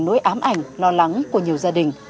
nỗi ám ảnh lo lắng của nhiều gia đình